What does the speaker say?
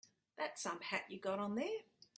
That's some hat you got on there.